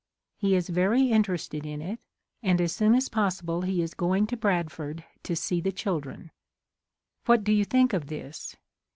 He is very interested in it and as soon as possible he is going to Bradford to see the children. What do you think of this?